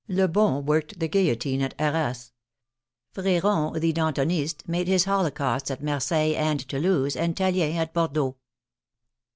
Lebon worked the guillotine at Arras. Freron, the Dantonist, made his holocausts at Marseilles and Toulouse and Tallien at Bordeaux.